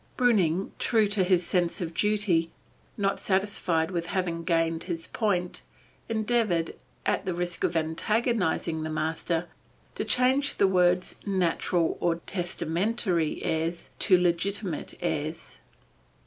Breuning, true to his sense of duty, not satisfied with having gained his point, endeavored, at the risk of antagonizing the master, to change the words "natural or testamentary heirs," to "legitimate heirs."